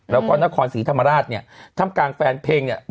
แล้วก็นครศรีธรรมราชเนี่ยทำกลางแฟนเพลงเนี่ย